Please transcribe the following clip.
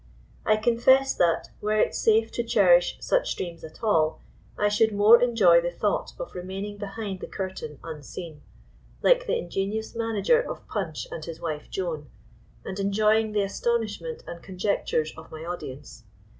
I confess that, were it safe to cherish such dreams at all, I should more enjoy the thought of remaining behind the curtain unseen, like the ingenious manager of Punch and his wife Joan, and enjoying the astonishment and conjectures of my audience.